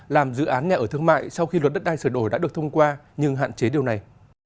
làm dự án nhà ở thương mại sau khi luật đất đai sửa đổi đã được thông qua nhưng hạn chế điều này